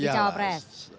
untuk jadi cawapres